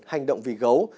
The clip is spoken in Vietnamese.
hành động vì gấu